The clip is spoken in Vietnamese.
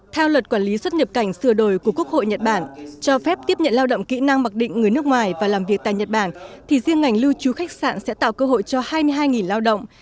theo luật quản lý xuất nhập cảnh sửa đổi của quốc hội nhật bản cho phép tiếp nhận lao động kỹ năng mặc định người nước ngoài và làm việc tại nhật bản thì riêng ngành lưu trú khách sạn sẽ tạo cơ hội cho hai mươi hai lao động